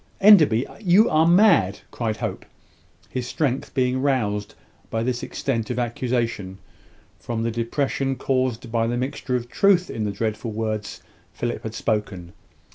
"Enderby! you are mad," cried Hope, his strength being roused by this extent of accusation from the depression caused by the mixture of truth in the dreadful words Philip had just spoken.